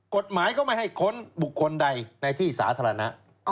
กฎหมายก็ไม่ให้ค้นบุคคลใดในที่สาธารณะ